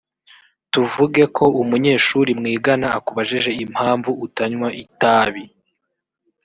tuvuge ko umunyeshuri mwigana akubajije impamvu utanywa itabi